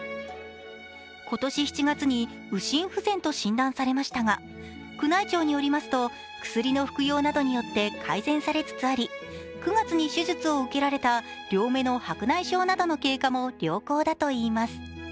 今年７月に右心不全と診断されましたが、宮内庁によりますと薬の服用などによって改善されつつあり９月に手術を受けられた両目の白内障などの経過も良好だといいます。